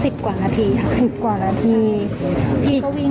นัดต่อมาห่างกันประมาณสัก๑๐กว่านาทีครับ